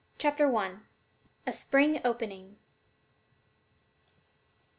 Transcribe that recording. CHAPTER I. _A SPRING OPENING.